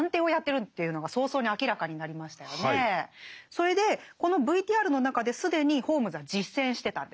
それでこのＶＴＲの中で既にホームズは実践してたんです。